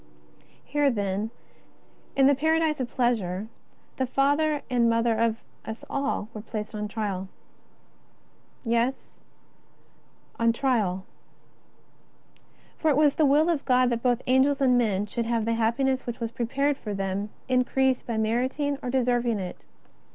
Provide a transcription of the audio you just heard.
Here, then, in " the paradise of pleasure," the father and mother of us all were placed on trial. Yes, on trial. For it was the Will of God that both Angels and men should have the happiness which was prepared for them increased by meriting or deserving it.